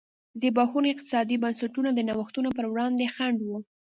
زبېښونکي اقتصادي بنسټونه د نوښتونو پر وړاندې خنډ و.